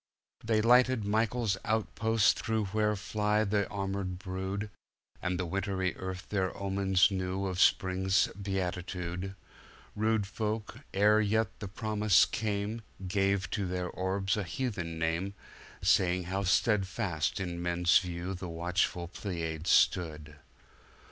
They lighted Michael's outpost through Where fly the armored brood, And the wintry Earth their omens knew Of Spring's beatitude; Rude folk, ere yet the promise came, Gave to their orbs a heathen name, Saying how steadfast in men's view The watchful Pleiads stood.